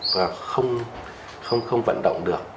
và không vận động được